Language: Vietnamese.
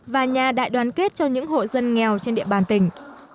và nhà đại đoàn kết cho những hộ dân nghèo trên địa bàn tỉnh